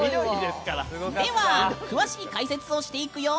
では、詳しい解説をしていくよ。